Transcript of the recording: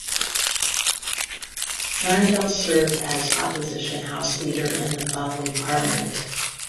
Laurendeau served as opposition House Leader in the following parliament.